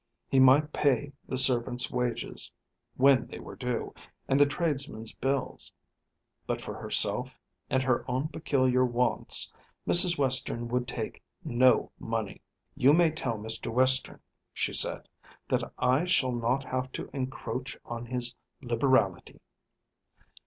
He might pay the servants' wages, when they were due; and the tradesmen's bills; but for herself and her own peculiar wants Mrs. Western would take no money. "You may tell Mr. Western," she said, "that I shall not have to encroach on his liberality."